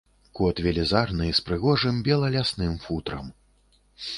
Кот велізарны, з прыгожым бела-лясным футрам.